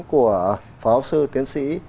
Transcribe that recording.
của phó học sư tiến sĩ